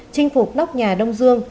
chinh phục nóc nhà đông dương